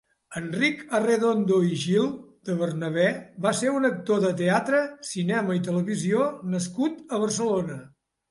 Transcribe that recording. Enric Arredondo i Gil de Bernabé va ser un actor de teatre, cinema i televisió nascut a Barcelona.